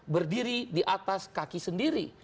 berdiri di atas kaki sendiri